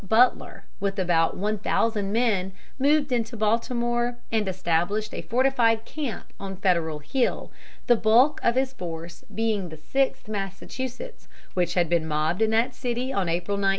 Butler, with about one thousand men, moved into Baltimore and established a fortified camp on Federal Hill, the bulk of his force being the Sixth Massachusetts, which had been mobbed in that city on April 19.